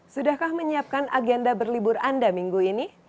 sudahkah menyiapkan agenda berlibur anda minggu ini